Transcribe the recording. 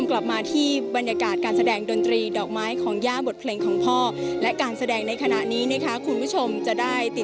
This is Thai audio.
เราต้องเป็นภาษากรรดิกับพ่อพ่อแซมสงสัตว์